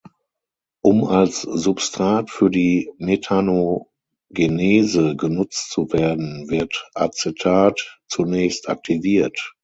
Um als Substrat für die Methanogenese genutzt zu werden, wird Acetat zunächst „aktiviert“.